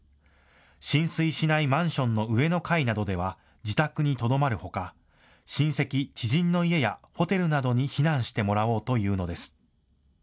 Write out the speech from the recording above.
浸水しないマンションの上の階などでは自宅にとどまるほか親戚・知人の家やホテルなどに避難してもらおうというのです。